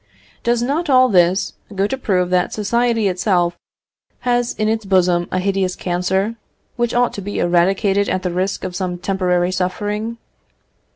Does not all this go to prove that society itself has in its bosom a hideous cancer, which ought to be eradicated at the risk of some temporary suffering?"